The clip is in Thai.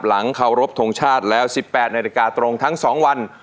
หลังข่าวรบถงชาติแล้ว๑๘นาทิกาตรงทั้ง๒วัน